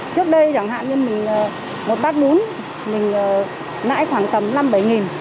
trước đây chẳng hạn như một bát bún mình nãi khoảng tầm năm bảy nghìn